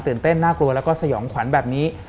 เต้นน่ากลัวแล้วก็สยองขวัญแบบนี้